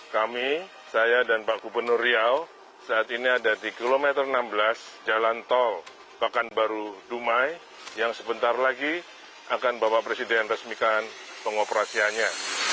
kami saya dan pak gubernur riau saat ini ada di kilometer enam belas jalan tol bakanbaru dumai yang sebentar lagi akan bapak presiden resmikan pengoperasiannya